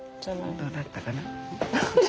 どうだったかな？